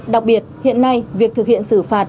đặc biệt hiện nay việc thực hiện xử phạt